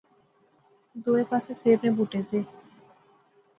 دوئے پاسے سیب نے بوٹے زے